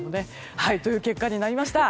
こういう結果になりました。